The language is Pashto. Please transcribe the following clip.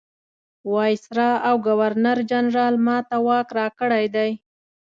وایسرا او ګورنرجنرال ما ته واک راکړی دی.